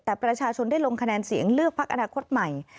แต่ประชาชนได้ลงคะแนนเสียงเลือกพักอนาคตใหม่